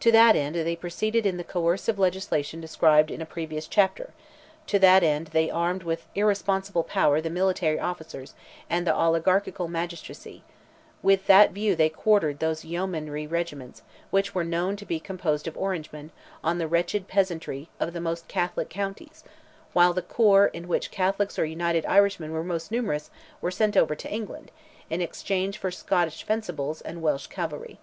To that end they proceeded in the coercive legislation described in a previous chapter; to that end they armed with irresponsible power the military officers and the oligarchical magistracy; with that view they quartered those yeomanry regiments, which were known to be composed of Orangemen, on the wretched peasantry of the most Catholic counties, while the corps in which Catholics or United Irishmen were most numerous, were sent over to England, in exchange for Scotch fencibles and Welsh cavalry.